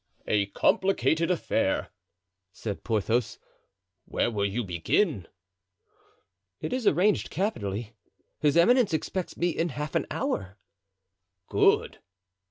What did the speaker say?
"A complicated affair," said Porthos; "where will you begin?" "It is arranged capitally; his eminence expects me in half an hour." "Good."